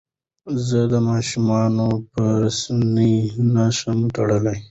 زه ماشومان په رسۍ نه شم تړلی.